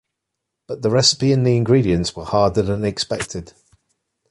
But the recipe and the ingredients were harder than expected.